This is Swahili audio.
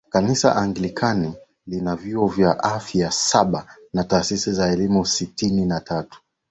Kanisa Anglikana lina vyuo vya afya saba na taasisi za elimu sitini na tatu